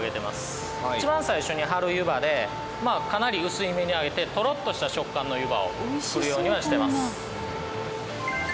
一番最初に張る湯葉でかなり薄めにあげてとろっとした食感の湯葉を作るようにはしてます。